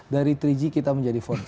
dari tiga g kita menjadi empat